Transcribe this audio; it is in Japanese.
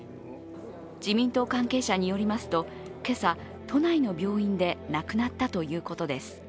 自民党関係者によりますと今朝、都内の病院で亡くなったということです。